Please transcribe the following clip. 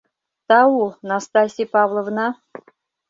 Тау, Настасий Павловна...